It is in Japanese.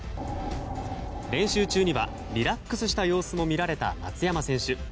練習中にはリラックスした様子も見られた松山選手。